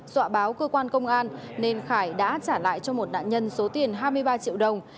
dọa báo cơ quan công an nên khải đã trả lại cho một nạn nhân số tiền hai mươi ba triệu đồng